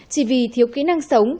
chỉ vì thiếu kỹ năng sống